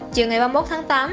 chiều ngày ba mươi một tháng tám